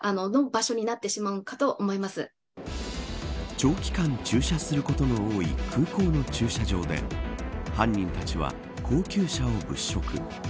長期間駐車することの多い空港の駐車場で犯人たちは高級車を物色。